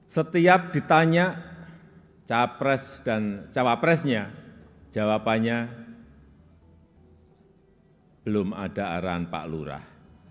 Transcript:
setiap ditanya cawa presnya jawabannya belum ada arahan pak lurah